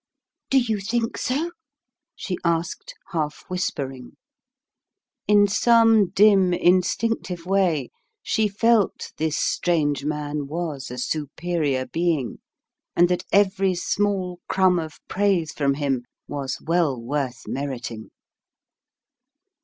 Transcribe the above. "Do you think so?" she asked, half whispering. In some dim, instinctive way she felt this strange man was a superior being, and that every small crumb of praise from him was well worth meriting.